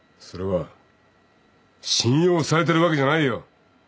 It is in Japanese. それは信用されてるわけじゃないよ。